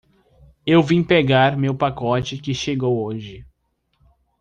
Eu vim pegar meu pacote que chegou hoje.